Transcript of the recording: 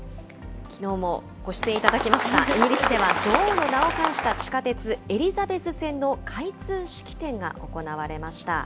きのうもご出演いただきました、イギリスでは、女王の名を冠した地下鉄、エリザベス線の開通式典が行われました。